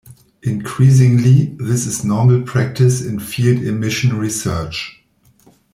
Increasingly, this is normal practice in field emission research.